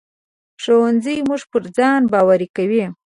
ښوونځی موږ پر ځان باوري کوي